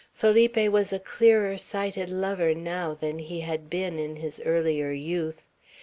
Felipe was a clearer sighted lover now than he had been in his earlier youth.